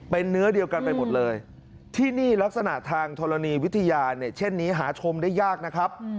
เป็นเนื้อเดียวกันไปหมดเลยที่นี่ลักษณะทางธรณีวิทยาเนี่ยเช่นนี้หาชมได้ยากนะครับ